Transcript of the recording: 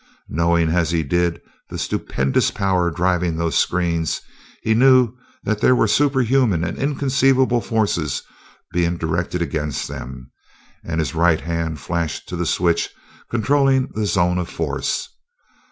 Knowing as he did the stupendous power driving those screens, he knew that there were superhuman and inconceivable forces being directed against them, and his right hand flashed to the switch controlling the zone of force.